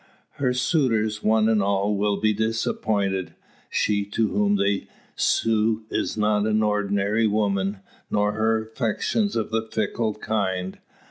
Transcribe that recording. Her suitors one and all will be disappointed. She to whom they sue is not an ordinary woman; nor her affections of the fickle kind.